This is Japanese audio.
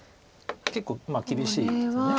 結構厳しいですよね。